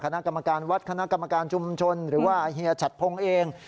คณะกรรมการวัดคณะกรรมการชุมชนหรือว่าเฮียฉัดพงศ์เอง